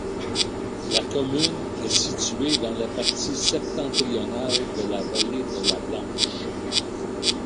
La commune est située dans la partie septentrionale de la vallée de la Blanche.